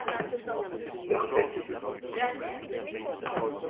Leur tête.